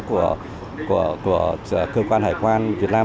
của cơ quan hải quan việt nam